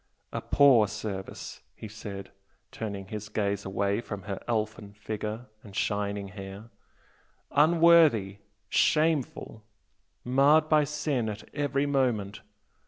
"A poor service!" he said, turning his gaze away from her elfin figure and shining hair "Unworthy, shameful! marred by sin at every moment!